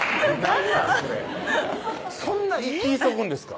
それそんな生き急ぐんですか？